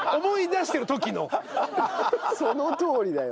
そのとおりだよ。